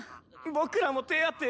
僕らも手当て。